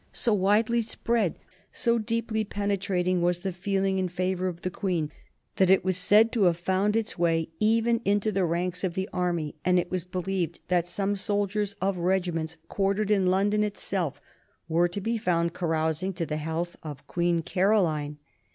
So widely spread, so deeply penetrating was the feeling in favor of the Queen that it was said to have found its way even into the ranks of the army, and it was believed that some soldiers of regiments quartered in London itself were to be found carousing to the health of Queen Caroline.